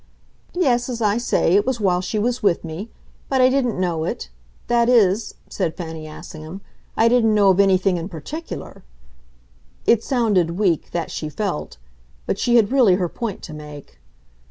"Yes, as I say, it was while she was with me. But I didn't know it. That is," said Fanny Assingham, "I didn't know of anything in particular." It sounded weak that she felt; but she had really her point to make.